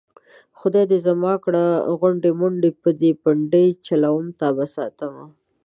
خدای دې زما کړه غونډې منډې په سر به پنډې چلوم تابه ساتمه